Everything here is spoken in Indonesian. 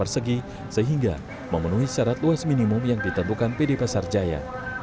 persegi sehingga memenuhi syarat luas minimum yang ditentukan pd pasar jaya